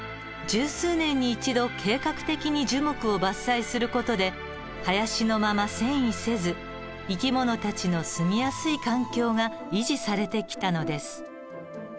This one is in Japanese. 十数年に一度計画的に樹木を伐採する事で林のまま遷移せず生き物たちの住みやすい環境が維持されてきたのです。